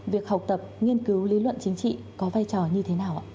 việc học tập nghiên cứu lý luận chính trị có vai trò như thế nào ạ